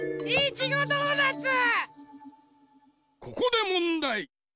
ここでもんだい。